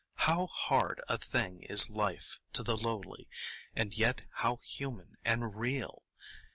How hard a thing is life to the lowly, and yet how human and real!